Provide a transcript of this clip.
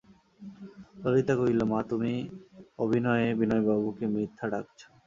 ললিতা কহিল, মা, তুমি অভিনয়ে বিনয়বাবুকে মিথ্যা ডাকছ।